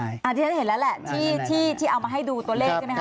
ที่ฉันเห็นแล้วแหละที่เอามาให้ดูตัวเลข